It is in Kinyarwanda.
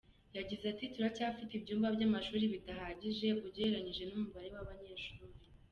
Yagize ati “Turacyafite ibyumba by’amashuri bidahagije ugereranije n’umubare w’abanyeshuri.